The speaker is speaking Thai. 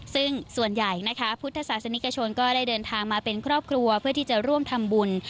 ซึ่งส่วนใหญ่นะคะพุทธศาสนิกชนก็ได้เดินทางมาเป็นครอบครัวเพื่อที่จะร่วมทำบุญ